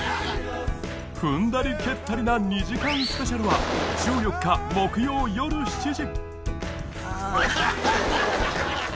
踏んだり蹴ったりな２時間スペシャルは１４日木曜よる７時